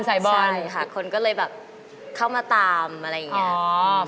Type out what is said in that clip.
บ่อยค่ะคนก็เลยแบบเข้ามาตามอะไรอย่างนี้